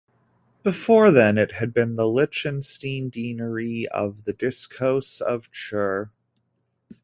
Before then it had been the Liechtenstein Deanery of the Diocese of Chur.